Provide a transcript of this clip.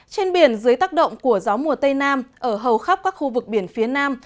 trên biển dưới tác động của gió mùa tây nam ở hầu khắp các khu vực biển phía nam